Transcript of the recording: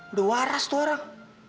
udah waras tuh orang